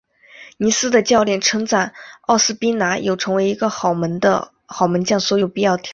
尼斯的教练称赞奥斯宾拿有成为一个好门将所有必要的条件。